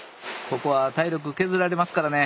ここは体力削られますからね。